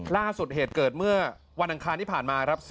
ล่าสุดเหตุเกิดเมื่อวันอังคารที่ผ่านมาครับ